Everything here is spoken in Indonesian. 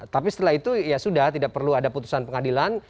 tapi setelah itu ya sudah tidak perlu ada putusan pengadilan